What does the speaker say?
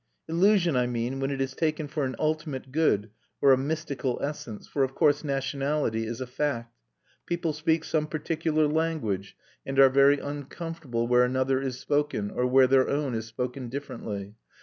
Illusion, I mean, when it is taken for an ultimate good or a mystical essence, for of course nationality is a fact. People speak some particular language and are very uncomfortable where another is spoken or where their own is spoken differently.